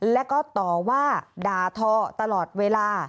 แล้วก็ต่อว่าด่าทอตลอดเวลา